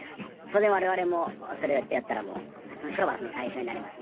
当然我々もそれをやったら処罰の対象になりますので。